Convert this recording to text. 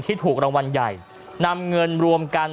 ถูกรางวัลใหญ่นำเงินรวมกัน